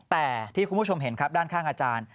แต่ที่คุณผู้ชมเห็นครับด้านข้างอาจารย์